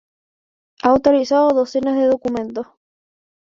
Ha autorizado docenas de documentos.